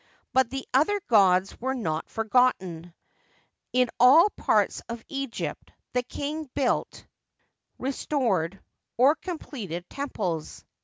But the other gods were not forgotten ; in all parts of Egypt the king built, restored, or completed temples.